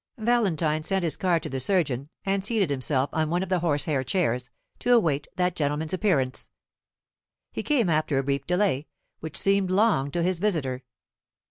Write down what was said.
Valentine sent his card to the surgeon, and seated himself on one of the horsehair chairs, to await that gentleman's appearance. He came after a brief delay, which seemed long to his visitor.